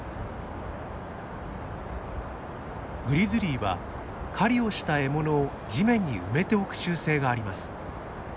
グリズリーは狩りをした獲物を地面に埋めておく習性があります。